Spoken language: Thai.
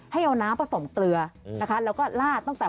ให้เอาน้ำผสมเตลือแล้วก็ราษตั้งแต่